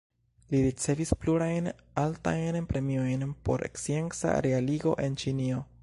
Li ricevis plurajn altajn premiojn por scienca realigo en Ĉinio.